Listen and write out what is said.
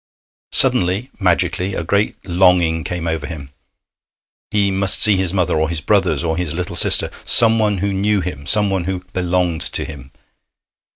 Suddenly, magically, a great longing came over him. He must see his mother, or his brothers, or his little sister someone who knew him, someone who belonged to him.